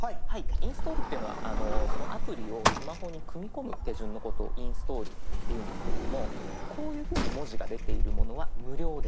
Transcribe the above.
インストールっていうのはアプリをスマホに組み込む手順のことをインストールっていうんですけれどもこういうふうに文字が出ているものは無料で。